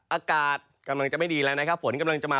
อากาศกำลังจะไม่ดีแล้วนะครับฝนกำลังจะมา